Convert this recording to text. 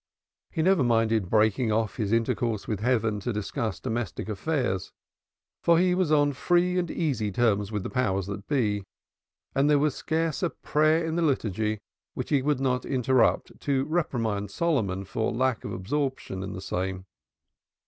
He never minded breaking off his intercourse with Heaven to discuss domestic affairs, for he was on free and easy terms with the powers that be, and there was scarce a prayer in the liturgy which he would not interrupt to reprimand Solomon for lack of absorption in the same.